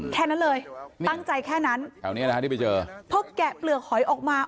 แค่นั้นเลยต้องใจแค่นั้นเพราะแกะเปลือกหอยออกมา